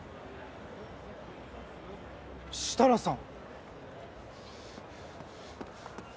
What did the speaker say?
設楽さん。